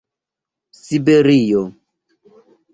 siberio